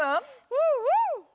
うんうん！